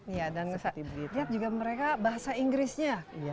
lihat juga mereka bahasa inggrisnya